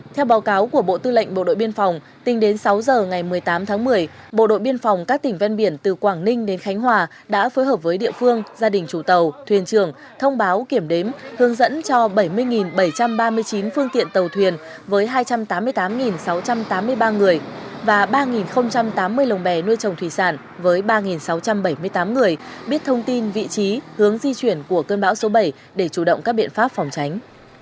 theo báo cáo của bộ tư lệnh bộ đội biên phòng tính đến sáu h ngày một mươi tám tháng một mươi bộ đội biên phòng các tỉnh ven biển từ quảng ninh đến khánh hòa đã phối hợp với địa phương gia đình chủ tàu thuyền trường thông báo kiểm đếm hướng dẫn cho bảy mươi bảy trăm ba mươi chín phương tiện tàu thuyền với hai trăm tám mươi tám sáu trăm tám mươi ba người và ba tám mươi lồng bè nuôi trồng thủy sản với ba sáu trăm bảy mươi tám người biết thông tin vị trí hướng di chuyển của cơn bão số bảy để chủ động các biện pháp phòng tránh